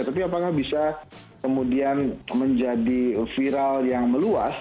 tapi apakah bisa kemudian menjadi viral yang meluas